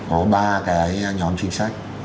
có ba cái nhóm chính sách